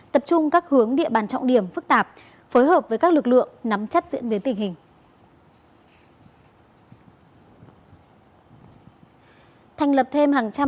tập trung các hướng địa bàn trọng điểm phức tạp phối hợp với các lực lượng nắm chắc diễn biến tình hình